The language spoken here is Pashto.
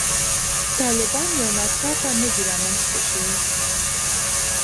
طالبان یو ناڅاپه نه دي رامنځته شوي.